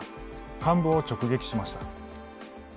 幹部を直撃しました。